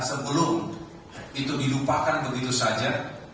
sebelum itu dilupakan begitu saja